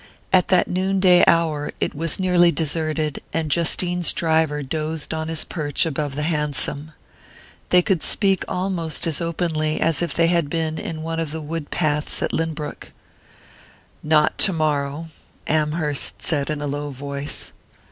At that noonday hour it was nearly deserted, and Justine's driver dozed on his perch above the hansom. They could speak almost as openly as if they had been in one of the wood paths at Lynbrook. "Nor tomorrow," Amherst said in a low voice.